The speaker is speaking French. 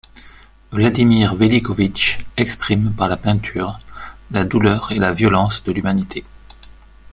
Vladimir Veličković exprime, par la peinture, la douleur et la violence de l'humanité.